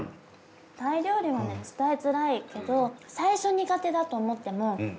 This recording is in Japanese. タイ料理はね伝えづらいけど最初苦手だと思っても。